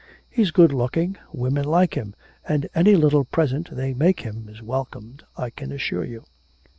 He's good looking, women like him, and any little present they make him is welcomed, I can assure you.